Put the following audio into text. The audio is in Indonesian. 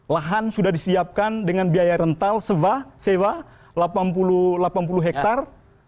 lahan sudah disiapkan dengan biaya rental sewa delapan puluh hektare